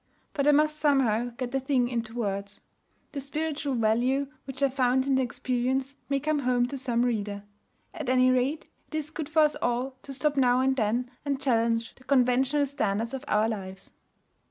But I must somehow get the thing into words. The spiritual value which I found in the experience may come home to some reader. At any rate, it is good for us all to stop now and then and challenge the conventional standards of our lives.